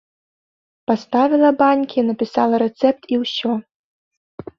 Паставіла банькі, напісала рэцэпт і ўсё.